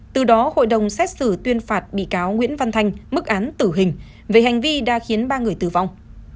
từ đó hội đồng xét xử tuyên phạt bị cáo nguyễn văn thanh mức án tử hình về hành vi đã khiến ba người tử vong